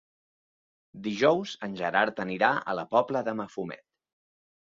Dijous en Gerard anirà a la Pobla de Mafumet.